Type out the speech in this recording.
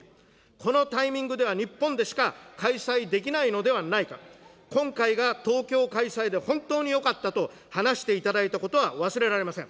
このタイミングでは日本でしか開催できないのではないかと、今回が東京開催で本当によかったと話していただいたことは忘れられません。